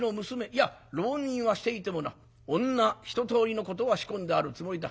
いや浪人はしていてもな女一通りのことは仕込んであるつもりだ。